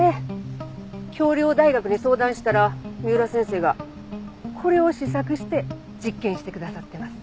京陵大学に相談したら三浦先生がこれを試作して実験してくださってます。